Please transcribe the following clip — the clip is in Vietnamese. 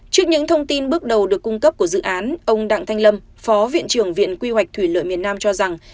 trước những thông tin bước đầu được cung cấp của dự án ông đặng thanh lâm phó viện trưởng viện quy hoạch thủy lợi miền nam cho rằng